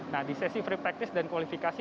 nah di sesi free practice dan kualifikasi